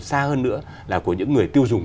xa hơn nữa là của những người tiêu dùng